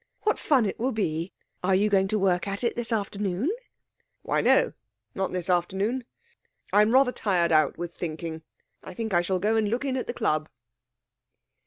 What fun it will be! Are you going to work at it this afternoon?' 'Why, no! not this afternoon. I'm rather tired out with thinking. I think I shall go and look in at the club.'